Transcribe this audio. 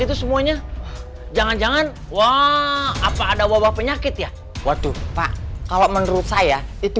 itu semuanya jangan jangan wah apa ada wabah penyakit ya waduh pak kalau menurut saya itu